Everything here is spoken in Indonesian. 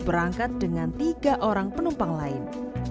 berangkat dengan tiga orang penumpang lain